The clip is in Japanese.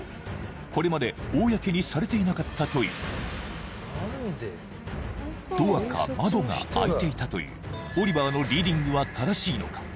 これまで公にされていなかったというドアか窓が開いていたというオリバーのリーディングは正しいのか？